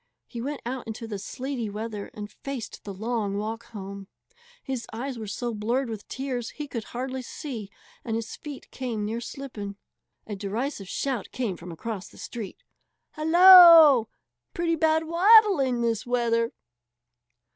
He went out into the sleety weather and faced the long walk home. His eyes were so blurred with tears he could hardly see and his feet came near slipping. A derisive shout came from across the street: "Hallo! Pretty bad 'waddling' this weather!"